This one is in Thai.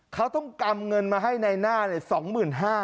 เขาต้องกำเงินมาให้ในหน้า๒๕๐๐บาท